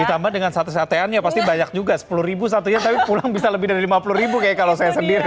ditambah dengan sate sateannya pasti banyak juga sepuluh ribu satunya tapi pulang bisa lebih dari lima puluh ribu kayak kalau saya sendiri